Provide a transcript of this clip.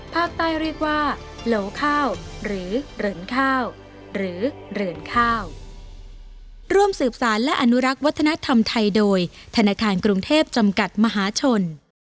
ภาคใต้เรียกว่าเหลวข้าวหรือเหริญข้าวหรือเหริญข้าว